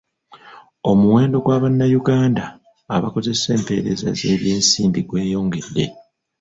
Omuwendo gwa Bannayunganda abakozesa empeereza z'ebyensimbi gweyongedde.